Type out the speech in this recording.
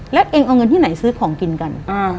แล้วเองเอาเงินที่ไหนซื้อของกินกัน